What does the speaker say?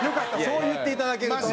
そう言っていただけると。